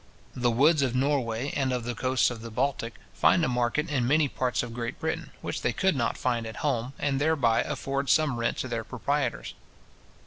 The woods of Norway, and of the coasts of the Baltic, find a market in many parts of Great Britain, which they could not find at home, and thereby afford some rent to their proprietors.